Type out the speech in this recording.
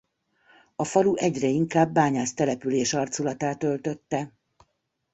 A falu egyre inkább bányásztelepülés arculatát öltötte.